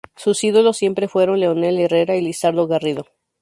Sus ídolos siempre fueron Leonel Herrera y Lizardo Garrido.